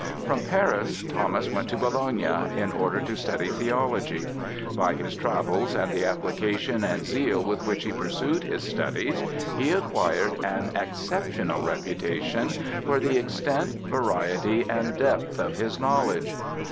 From Paris Thomas went to Bologna, in order to study theology; by his travels and the application and zeal with which he pursued his studies, he acquired an exceptional reputation for the extent, variety, and depth of his knowledge.